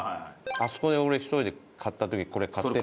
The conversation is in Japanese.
あそこで俺１人で買った時これ買ってるわ。